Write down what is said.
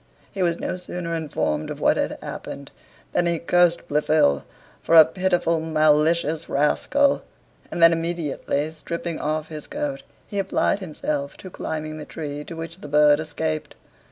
He was no sooner informed of what had happened, than he cursed Blifil for a pitiful malicious rascal; and then immediately stripping off his coat he applied himself to climbing the tree to which the bird escaped.